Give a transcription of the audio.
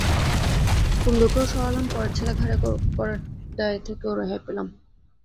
কুন্দকেও সরালাম, পরের ছেলে ঘাড়ে করার দায় থেকেও রেহাই পেলাম।